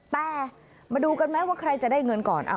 แต่มาดูกันไหมว่าใครจะได้เงินก่อน